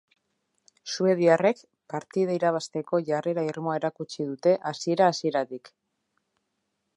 Suediarrek partida irabazteko jarrera irmoa erakutsi dute hasiera-hasieratik.